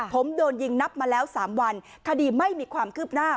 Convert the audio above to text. ผมโดนยิงนับมาแล้ว๓วันคดีไม่มีความคืบหน้า